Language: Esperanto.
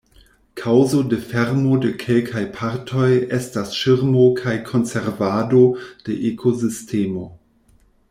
Kaŭzo de fermo de kelkaj partoj estas ŝirmo kaj konservado de ekosistemo.